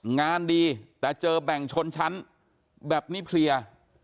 งานดีแต่เจอแบ่งชนชั้นแบบนี้เพลีย